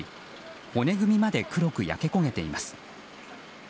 骨組みまで黒く焼け焦げています。